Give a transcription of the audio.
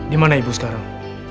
di mana ibu sekarang